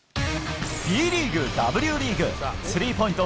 Ｂリーグ、Ｗリーグ、スリーポイント